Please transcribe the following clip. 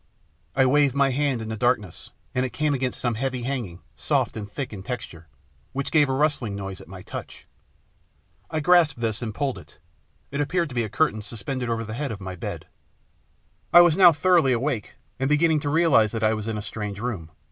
I waved my hand in the darkness, and it came against some heavy hanging, soft and thick in texture, which gave a rustling noise at my touch. I grasped this and pulled it ; it appeared to be a curtain suspended over the head of my bed. I was now thoroughly awake, and beginning to realise that I was in a strange room.